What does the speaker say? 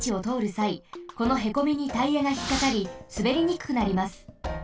さいこのへこみにタイヤがひっかかりすべりにくくなります。